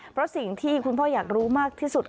เพราะสิ่งที่คุณพ่ออยากรู้มากที่สุด